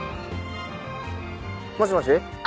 もしもし？